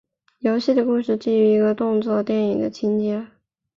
游戏的故事基于一个动作电影的情节。